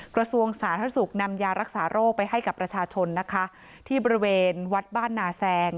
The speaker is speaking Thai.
กระทรวงสาธารณสุขนำยารักษาโรคไปให้กับประชาชนนะคะที่บริเวณวัดบ้านนาแซง